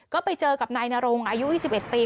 ก็ไปเจอกับนายนรงอายุ๒๑ปี